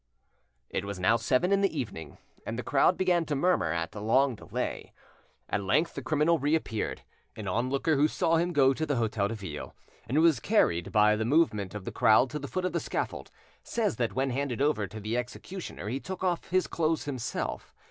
It was now seven in the evening, and the crowd began to murmur at the long delay. At length the criminal reappeared. An onlooker who saw him go to the Hotel de Ville, and who was carried by the movement of the crowd to the foot of the scaffold, says that when handed over to the executioner he took off his clothes himself.